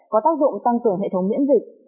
có tác dụng tăng cường hệ thống miễn dịch